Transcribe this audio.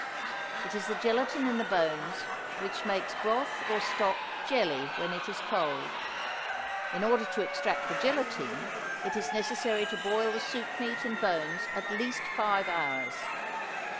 It is the gelatine in the bones which makes broth or stock jelly when it is cold; in order to extract the gelatine it is necessary to boil the soup meat and bones at least five hours.